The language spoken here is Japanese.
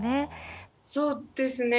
そうですね。